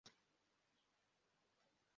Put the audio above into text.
Umuntu ukina n'imbwa zabo ku mucanga